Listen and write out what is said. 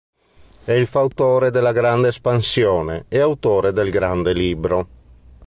È il fautore della Grande Espansione e autore del Grande Libro.